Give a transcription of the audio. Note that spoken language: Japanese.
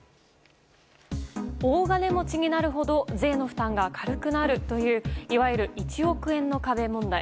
大金持ちになるほど税の負担が軽くなるといういわゆる１億円の壁問題。